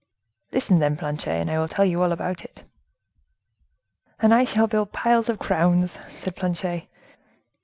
Listen, then, Planchet, I will tell you all about it." "And I shall build piles of crowns," said Planchet.